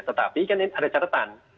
tetapi kan ada catatan